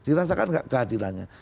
dirasakan tidak kehadirannya